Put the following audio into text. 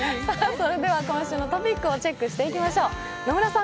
それでは今週のトピックをチェックしていきましょう。